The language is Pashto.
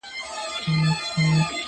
ډیري مو په هیله د شبقدر شوګیرۍ کړي؛